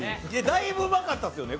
だいぶうまかったですよね？